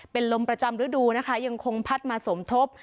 เป็นลมประจำฤดูนะคะยังคงพัดมาสมทบ